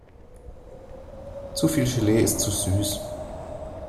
Zu viel Gelee ist zu süß.